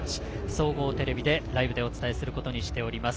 総合テレビでライブでお伝えすることにしております。